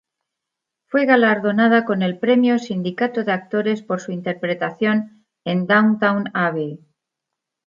Fue galardona con el premio Sindicato de actores por su interpretación en Downton Abbey.